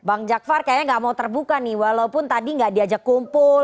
bang jakvar kayaknya nggak mau terbuka nih walaupun tadi nggak diajak kumpul